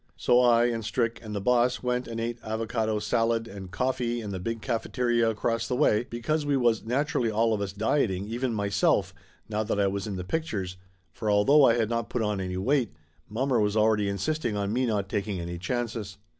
So I and Strick and the boss went and ate avacado salad and cofTee in the big cafeteria across the way, because we was naturally all of us dieting, even myself, now that I was in the pictures, for although I had not put on any weight, mommer was already insisting on me not taking any chances.